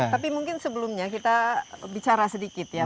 tapi mungkin sebelumnya kita bicara sedikit ya